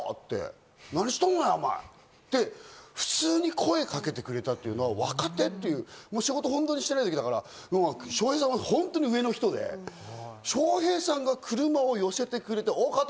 って、何しとんのや、お前！って普通に声かけてくれたっていうのは、若手、本当に仕事してない時だから、笑瓶さんは本当に上の人で、笑瓶さんが車を寄せてくれて、おう加藤！